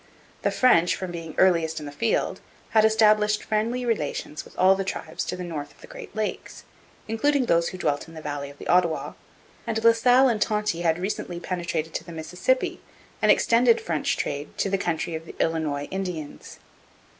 The French, from being earliest in the field, had established friendly relations with all the tribes to the north of the Great Lakes, including those who dwelt in the valley of the Ottawa; and La Salle and Tonty had recently penetrated to the Mississippi and extended French trade to the country of the Illinois Indians.